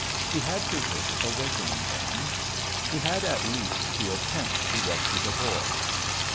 He had to risk awakening them! He had at least to attempt to rescue the boy!